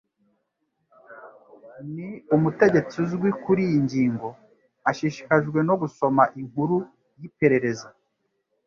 Ni umutegetsi uzwi kuriyi ngingo. Ashishikajwe no gusoma inkuru yiperereza